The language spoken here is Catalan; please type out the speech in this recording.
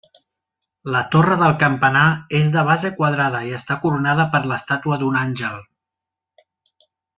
La torre del campanar és de base quadrada i està coronada per l'estàtua d'un àngel.